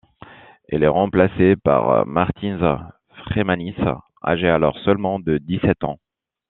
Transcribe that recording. Il est remplacé par Mārtiņš Freimanis âgé alors seulement de dix-sept ans.